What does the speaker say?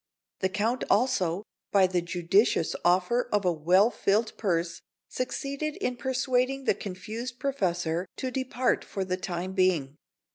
The Count also, by the judicious offer of a well filled purse, succeeded in persuading the confused professor to depart for the time being.